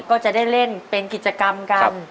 ก็จะได้เล่นเป็นกิจกรรมกัน